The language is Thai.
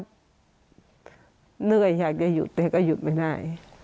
เหนื่อยอยากจะหยุดแต่ก็หยุดไม่ได้